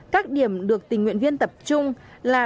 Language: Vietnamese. các điểm được tình nguyện viên tập trung là